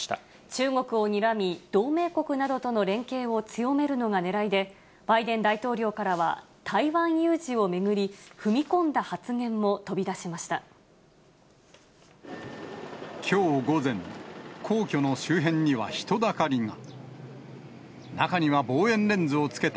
中国をにらみ、同盟国などとの連携を強めるのがねらいで、バイデン大統領からは台湾有事を巡り、踏み込んだ発言も飛び出しきょう午前、皇居の周辺には人だかりが。